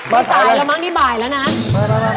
ว่าสายแล้วมั้งนี่บ่ายแล้วนะ